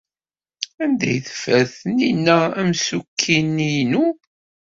Anda ay teffer Taninna amsukki-inu?